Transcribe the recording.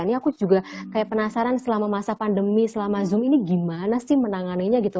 ini aku juga kayak penasaran selama masa pandemi selama zoom ini gimana sih menanganinya gitu